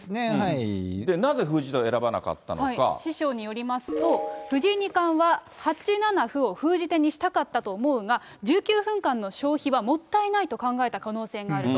なぜ封じ手を選ばなかったの師匠によりますと、藤井二冠は８七歩を封じ手にしたかったと思うが、１９分間の消費はもったいないと考えた可能性があると。